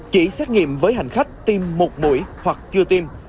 chỉ xét nghiệm với hành khách tiêm một mũi hoặc chưa tiêm